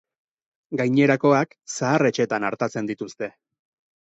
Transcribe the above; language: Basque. Gainerakoak zahar-etxeetan artatzen dituzte.